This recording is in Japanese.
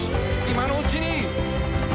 今のうちに」